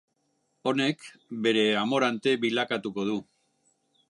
Honek bere amorante bilakatuko du.